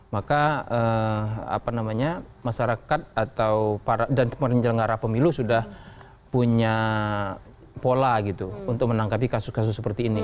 maka masyarakat atau dan teman penyelenggara pemilu sudah punya pola gitu untuk menangkapi kasus kasus seperti ini